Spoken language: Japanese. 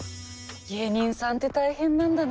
芸人さんって大変なんだね。